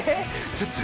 ちょっと。